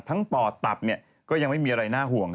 ทั้งปอล์ตับก็ยังไม่มีอะไรน่าห่วง